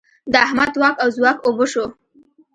د احمد واک او ځواک اوبه شو.